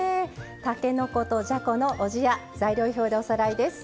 たけのことじゃこのおじや材料表でおさらいです。